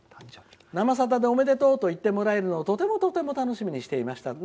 「生さだ」でおめでとうと言ってもらえるのをとてもとても楽しみにしていました。